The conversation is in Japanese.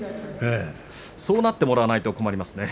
そうなってもらわないと困りますね。